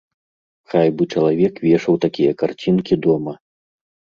Хай бы чалавек вешаў такія карцінкі дома.